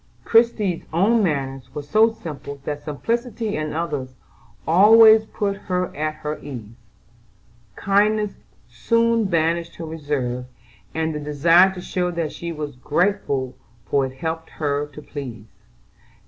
Christie's own manners were so simple that simplicity in others always put her at her ease: kindness soon banished her reserve, and the desire to show that she was grateful for it helped her to please.